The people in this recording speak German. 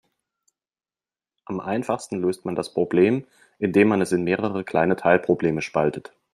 Am einfachsten löst man das Problem, indem man es in mehrere kleine Teilprobleme spaltet.